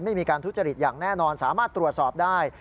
ไม่มีการทุจริตอย่างแน่นอนสามารถตรวจสอบได้